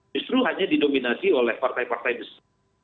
justru hanya didominasi oleh partai partai besar